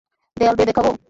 দেয়াল বেয়ে দেখাবো?